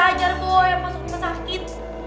ajar gue masuk rumah sakit